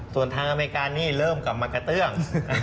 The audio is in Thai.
ส่วนทางอเมริกานี่เริ่มกลับมากระเตื้อง